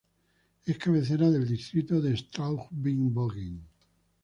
Es cabecera del distrito de Straubing-Bogen.